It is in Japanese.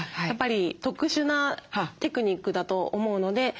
やっぱり特殊なテクニックだと思うので。